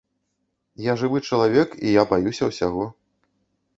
Я жывы чалавек і я баюся ўсяго.